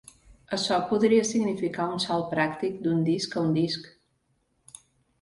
Açò podria significar un salt pràctic d'un disc a un disc.